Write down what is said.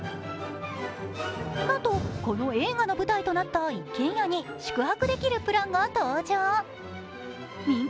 なんとこの映画の舞台となった一軒家に宿泊できるプランが登場民泊